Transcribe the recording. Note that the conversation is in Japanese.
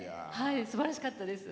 すばらしかったです。